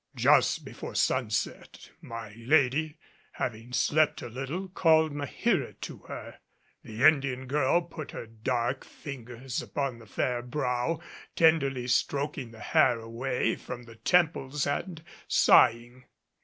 Just before sunset, my lady, having slept a little, called Maheera to her. The Indian girl put her dark fingers upon the fair brow, tenderly stroking the hair away from the temples, and sighing.